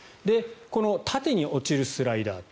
縦に落ちるスライダー